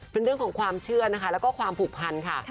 เป็นเรื่องของความเชื่อนะคะแล้วก็ความผูกพันค่ะ